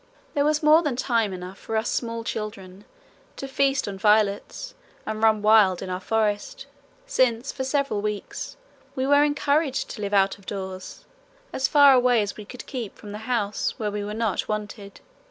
There was more than time enough for us small children to feast on violets and run wild in our forest; since for several weeks we were encouraged to live out of doors as far away as we could keep from the house where we were not wanted.